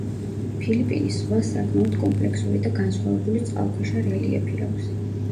ფილიპინის ზღვას საკმაოდ კომპლექსური და განსხვავებული წყალქვეშა რელიეფი აქვს.